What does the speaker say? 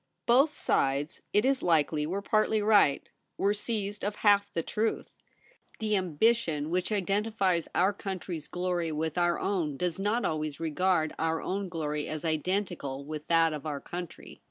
Both sides, it is likely, were partly right ; were seized of half the truth. The ambition which identifies our country's glory with our own does not always regard our own glory as identical with that of our country.